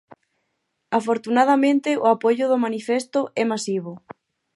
Afortunadamente o apoio do manifesto é masivo.